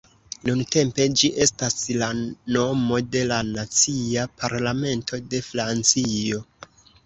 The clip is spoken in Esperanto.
Nuntempe ĝi estas la nomo de la nacia parlamento de Francio.